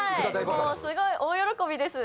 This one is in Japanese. すごい大喜びです。